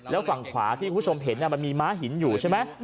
แล้วฝั่งขวาที่คุณผู้ชมเห็นมันมีม้าหินอยู่ใช่ไหม